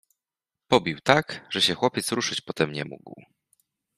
Pobił tak, że się chłopiec ruszyć potem nie mógł.